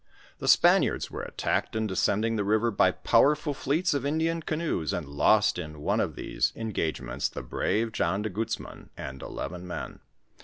The Spaniards were attacked in de Bcending the river by powerful fleets of Indian canoes, and lost in one of these engagements the brave John de Guzman and eleven men.